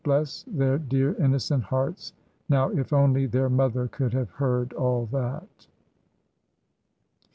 "Bless their dear, innocent hearts. Now if only their mother could have heard all that!"